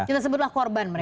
kita sebutlah korban mereka